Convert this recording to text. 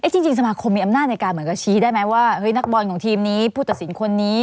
จริงสมาคมมีอำนาจในการเหมือนกับชี้ได้ไหมว่านักบอลของทีมนี้ผู้ตัดสินคนนี้